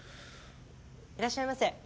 いらっしゃいませ。